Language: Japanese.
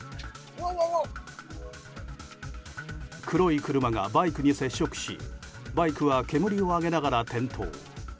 黒い車がバイクに接触しバイクは煙を上げながら転倒。